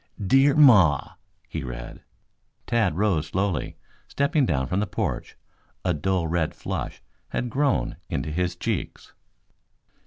"'Dear Maw,'" he read. Tad rose slowly, stepping down from the porch. A dull red flush had grown into his cheeks.